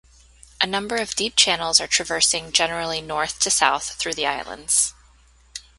A number of deep channels are traversing generally north to south through the islands.